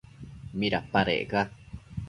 ¿midapadec ca?